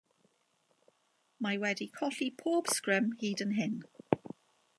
Mae wedi colli pob sgrym hyd yn hyn.